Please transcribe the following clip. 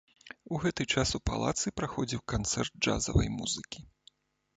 У гэты час у палацы праходзіў канцэрт джазавай музыкі.